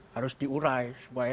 harus diurai supaya